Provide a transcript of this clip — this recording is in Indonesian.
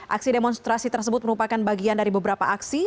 aksi demonstrasi tersebut merupakan bagian dari beberapa aksi